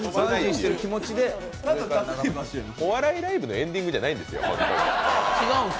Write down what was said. お笑いライブのエンディングじゃないんですよ。